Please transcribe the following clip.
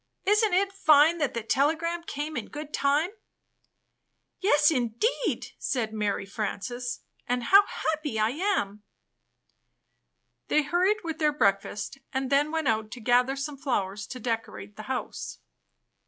Isn't it fine that the telegram came in good time!" "Yes, indeed!" said Mary Frances. "And how happy I am." They hurried with their breakfast, and then went out to gather some flowers to decorate the house.